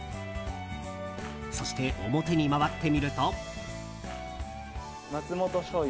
そして、表に回ってみると。